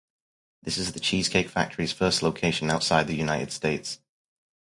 This is the Cheesecake Factory's first location outside the United States.